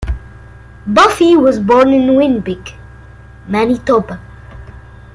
Buffie was born in Winnipeg, Manitoba.